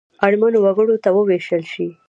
اړمنو وګړو ته ووېشل شي.